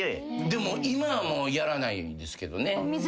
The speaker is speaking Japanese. でも今はもうやらないですけどね。